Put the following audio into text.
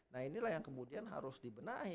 nah inilah yang kemudian harus dibenahi